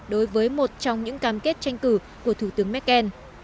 đối với một trong những cam kết tranh cử của thủ tướng merkel